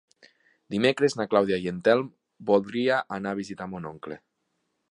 Dimecres na Clàudia i en Telm voldria anar a visitar mon oncle.